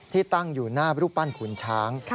ตั้งอยู่หน้ารูปปั้นขุนช้าง